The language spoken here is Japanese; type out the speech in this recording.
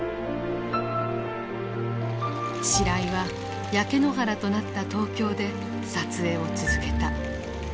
白井は焼け野原となった東京で撮影を続けた。